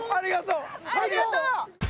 ありがとう！